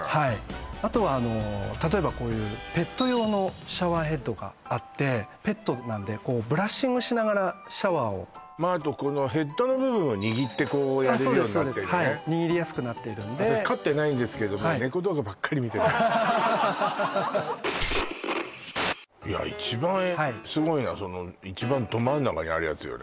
あとはあの例えばこういうペット用のシャワーヘッドがあってペットなんでブラッシングしながらシャワーをまああとこのヘッドの部分を握ってこうやれるようになってるのね握りやすくなってるんで飼ってないんですけどもいや一番すごいのはその一番ど真ん中にあるやつよね